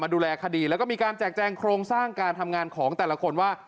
ดูแลคดีแล้วก็มีการแจกแจงโครงสร้างการทำงานของแต่ละคนว่า